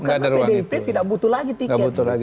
karena pdp tidak butuh lagi tiket